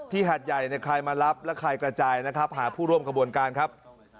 หาดใหญ่ใครมารับและใครกระจายนะครับหาผู้ร่วมขบวนการครับ